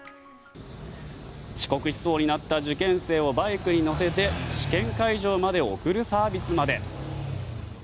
遅刻しそうになった受験生をバイクに乗せて試験会場まで送るサービスまで。